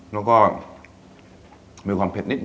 แล้วก็มีความเผ็ดนิดน